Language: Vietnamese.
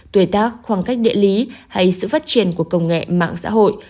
tuổi tác khoảng cách địa lý hay sự phát triển của công nghệ mạng xã hội